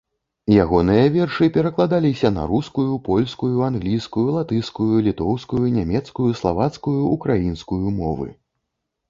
Ягоныя вершы перакладаліся на рускую, польскую, англійскую, латышскую, літоўскую, нямецкую, славацкую, украінскую мовы.